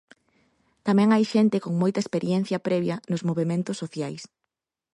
Tamén hai xente con moita experiencia previa nos movementos sociais.